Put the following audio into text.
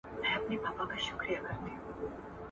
تخلیقي ادب د انسان د ذهن پراختیا ته لار هواروي.